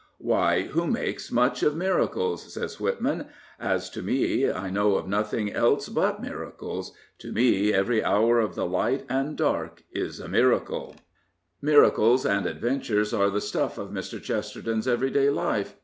" Why, who makes much of miracles? " says Whitman. As to me, 1 know of nothing else but miracles ... To me every hour of the light and dark is a miracle. 333 Prophets, Priests, and l^pgs..^^, Miracles and adventures are the stuff of Mr. Chester ton's everyday hfe.